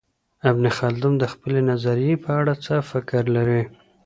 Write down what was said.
ابن خلدون د خپلې نظریې په اړه څه فکر لري؟